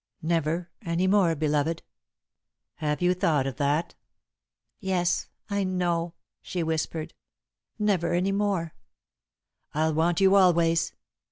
"Never any more, beloved. Have you thought of that?" "Yes, I know," she whispered. "Never any more." "I'll want you always."